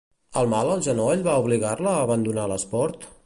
El mal al genoll va obligar-la a abandonar l'esport?